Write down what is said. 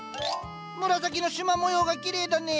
紫のしま模様がきれいだね。